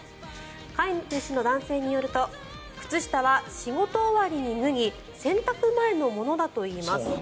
飼い主の男性によると靴下は仕事終わりに脱ぎ洗濯前のものだといいます。